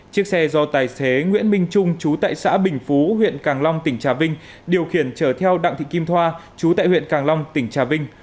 chiếc xe do tài xế nguyễn minh trung chú tại xã bình phú huyện càng long tỉnh trà vinh điều khiển trở theo đặng thị kim thoa chú tại huyện càng long tỉnh trà vinh